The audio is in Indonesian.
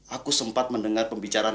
aku sempat mendengar pembicaraan